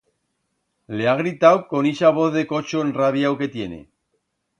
Le ha gritau con ixa voz de cocho enrabiau que tiene.